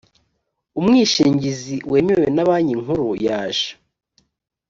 umwishingizi wemewe na banki nkuru yaje